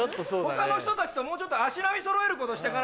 他の人たちともうちょっと足並みそろえることしてかないと。